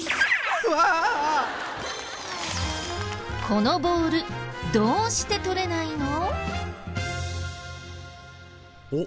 このボールどうして取れないの？